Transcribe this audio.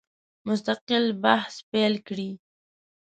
مستقل بحث پیل کړي.